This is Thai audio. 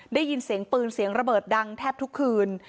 ได้ยินเสียงปืนเสียงระเบิดดังแทบทุกคืน